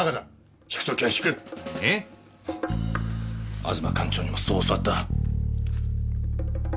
吾妻館長にもそう教わった。